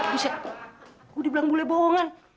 buset aku dibilang bule bohongan